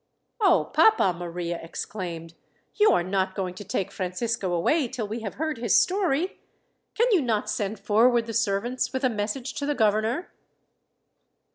"Oh, papa," Maria exclaimed, "you are not going to take Francisco away till we have heard his story! Can you not send forward the servants with a message to the governor?"